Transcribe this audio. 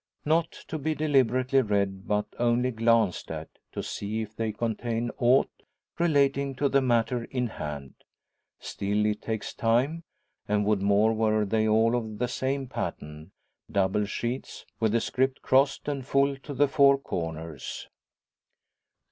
Not to be deliberately read, but only glanced at, to see if they contain aught relating to the matter in hand. Still, it takes time; and would more were they all of the same pattern double sheets, with the scrip crossed, and full to the four corners.